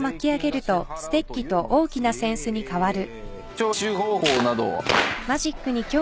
徴収方法など。